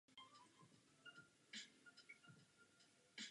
Pojmy "Shakespeare" a "Macbeth" jsou si velice blízké.